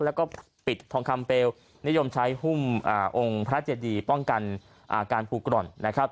แล้วก็ปิดทองคำเปลนิยมใช้หุ้มองค์พระเจดีป้องกันการภูกร่อนนะครับ